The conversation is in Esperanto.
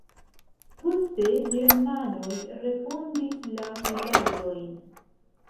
Poste germanoj refondis la vilaĝojn.